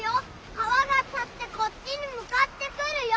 川が立ってこっちに向かってくるよ。